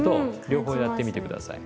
両方やってみて下さい。